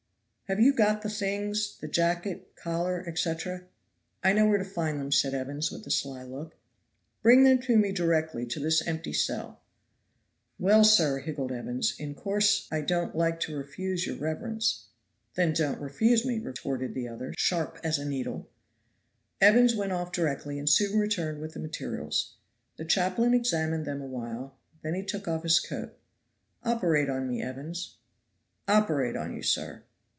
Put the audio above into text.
"Have you got the things, the jacket, collar, etc.?" "I know where to find them," said Evans with a sly look. "Bring them to me directly to this empty cell." "Well, sir," higgled Evans, "in course I don't like to refuse your reverence." "Then don't refuse me," retorted the other, sharp as a needle. Evans went off directly and soon returned with the materials. The chaplain examined them a while; he then took off his coat. "Operate on me, Evans." "Operate on you, sir!"